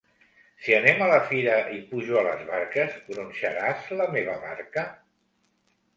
Si anem a la fira i pujo a les barques, gronxaràs la meva barca?